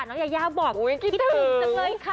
ยายาบอกคิดถึงจังเลยค่ะ